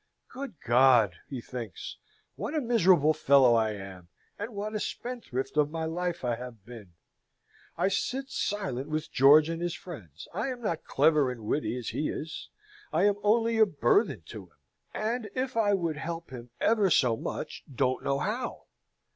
"Good God!" he thinks, "what a miserable fellow I am, and what a spendthrift of my life I have been! I sit silent with George and his friends. I am not clever and witty as he is. I am only a burthen to him; and, if I would help him ever so much, don't know how.